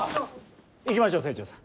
行きましょう清張さん。